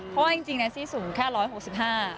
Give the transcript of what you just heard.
เพราะว่าจริงแนนซี่สูงแค่๑๖๕กิโลกรัม